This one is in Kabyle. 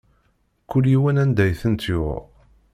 Kul yiwen, anda i tent-yuɣ.